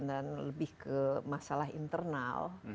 dan lebih ke masalah internal